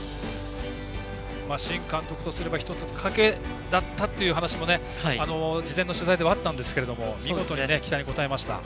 新監督とすれば１つ、賭けだったという話も事前の取材ではあったんですが見事に期待に応えました。